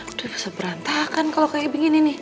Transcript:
udah bisa berantakan kalau kayak begini nih